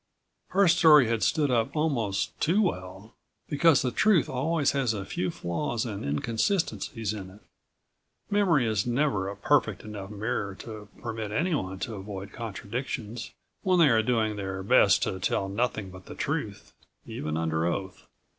Her story had stood up almost too well ... because the truth always has a few flaws and inconsistencies in it. Memory is never a perfect enough mirror to permit anyone to avoid contradictions when they are doing their best to tell nothing but the truth, even under oath.